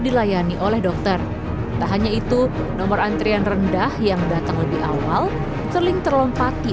dilayani oleh dokter tak hanya itu nomor antrian rendah yang datang lebih awal sering terlompati